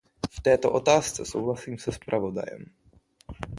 V této otázce souhlasím se zpravodajem.